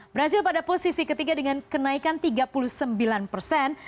brazil pada posisi ketiga dengan kenaikan tiga puluh sembilan persen